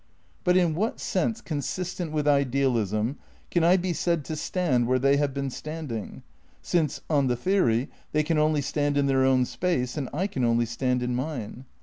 But in what sense consistent with idealism can I be said to stand where they have been standing, since, on the theory, they can only stand in their own space and I can only stand in mine?